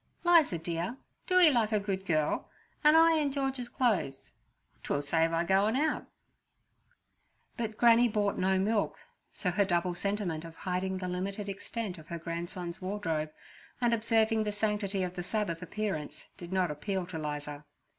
"Liza dear, do 'ee like a good girl, 'and I in George's clo'es: 'twill save I goin' out.' But Granny bought no milk, so her double sentiment of hiding the limited extent of her grandson's wardrobe and observing the sanctity of the Sabbath appearance did not appeal to 'Liza.